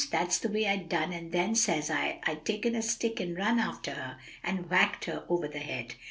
That's the way I'd done, and then, says I, I'd taken a stick and run after her, and whacked her over the head."